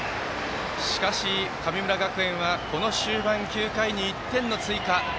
しかし、神村学園はこの終盤、９回に１点の追加。